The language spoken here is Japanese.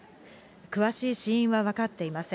詳しい死因は分かっていません。